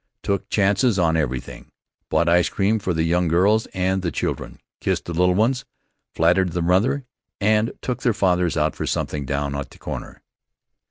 Took chances on everything, bought ice cream for the young girls and the children. Kissed the little ones, flattered their mother: and took their fathers out for something down at the comer.